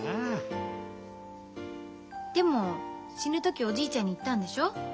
でも死ぬ時おじいちゃんに言ったんでしょ？